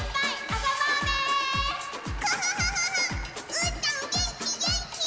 うーたんげんきげんき！